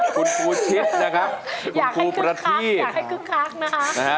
คุณครูชิดนะครับคุณครูประทิอยากให้ครึ่งครักอยากให้ครึ่งครักนะคะ